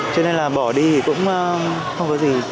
cho nên là bỏ đi thì cũng không có gì